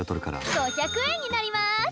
５００円になります。